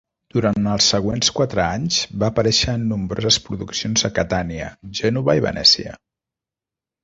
Durant els següents quatre anys, va aparèixer en nombroses produccions a Catània, Gènova i Venècia.